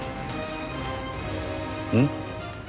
うん？